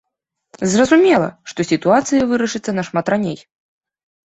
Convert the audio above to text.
Зразумела, што сітуацыя вырашыцца нашмат раней.